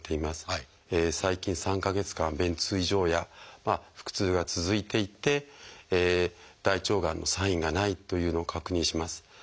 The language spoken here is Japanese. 最近３か月間便通異常や腹痛が続いていて大腸がんのサインがないというのを確認します。